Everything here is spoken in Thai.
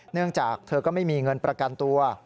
เนื่องจากเธอก็ไม่มีเงินประกันตัว